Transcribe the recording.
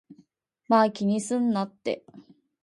まぁ、気にすんなって